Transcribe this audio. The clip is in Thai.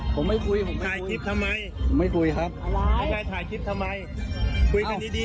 ผมไม่คุยผมถ่ายคลิปทำไมผมไม่คุยครับไม่ได้ถ่ายคลิปทำไมคุยกันดีดี